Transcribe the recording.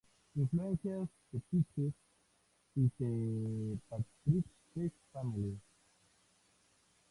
Influencias The Pixies y The Partridge Family".